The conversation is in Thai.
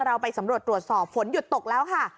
เราไปสำรวจตรวจสอบฝนหยุดตกแล้วค่ะ